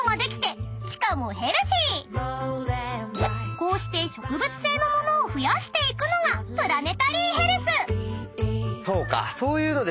［こうして植物性の物を増やしていくのがプラネタリーヘルス］